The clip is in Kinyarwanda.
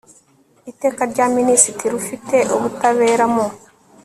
iteka rya minisitiri ufite ubutabera mu